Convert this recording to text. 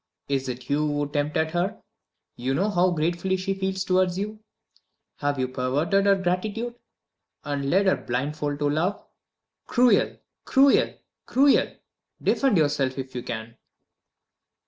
Is it you who tempted her? You know how gratefully she feels toward you have you perverted her gratitude, and led her blindfold to love? Cruel, cruel, cruel! Defend yourself if you can."